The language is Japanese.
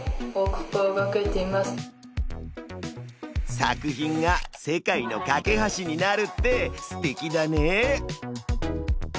作品が世界の懸け橋になるってすてきだね！